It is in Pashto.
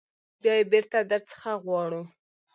بیا یې بیرته در څخه غواړو.